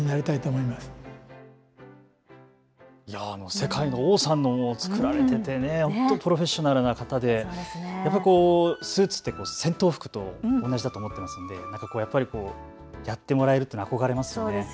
世界の王さんのを作られていてプロフェッショナルな方でスーツって戦闘服と同じと思っているのでやってもらえるのは憧れますね。